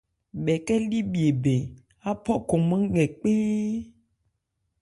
Bhɛkɛ li bhye bɛn, áphɔ khɔnmán nkɛ kpɛɛ́n.